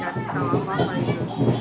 jadi kan kaget kita